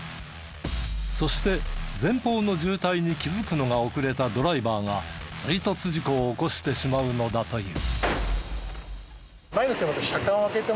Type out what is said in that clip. そして前方の渋滞に気づくのが遅れたドライバーが追突事故を起こしてしまうのだという。